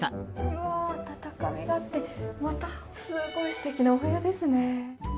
うわ温かみがあってまたすごいすてきなお部屋ですね。